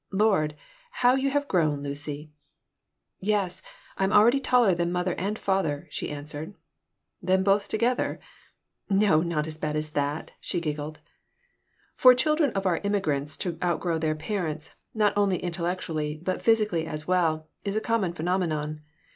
"Lord! how you have grown, Lucy!" "Yes, I'm already taller than mother and father," she answered "Than both together?" "No, not as bad as all that," she giggled For children of our immigrants to outgrow their parents, not only intellectually, but physically as well, is a common phenomenon.